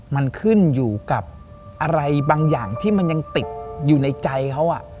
มันขึ้นอยู่กับอะไรบางอย่างที่มันยังติดอยู่ในใจเขา